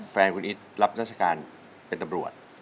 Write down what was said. แฟนคุณอิตรับราชการเป็นตำรวจ